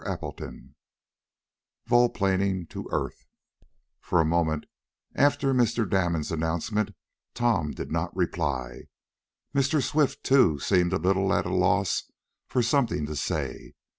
CHAPTER V VOL PLANING TO EARTH For a moment after Mr. Damon's announcement Tom did not reply. Mr. Swift, too, seemed a little at a loss for something to say.